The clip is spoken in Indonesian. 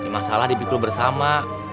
masalah dipikul bersama